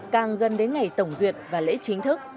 càng gần đến ngày tổng duyệt và lễ chính thức